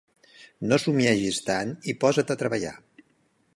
No somiegis tant i posa't a treballar!